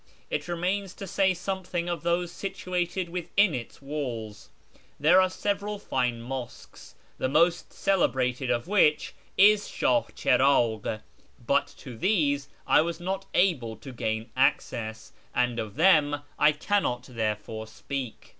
It remains to say somethino; of those situated within its walls. There are several fine mosques, the most celebrated of which is Shah Chiragh, but to these I was not able to gain access, and of them I cannot therefore speak.